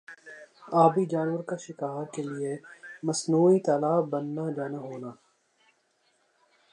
آبی جانور کا شکار کا لئے مصنوعی تالاب بننا جانا ہونا